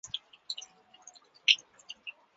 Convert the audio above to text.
巴兰钦撞击坑是一个位于水星上的撞击坑。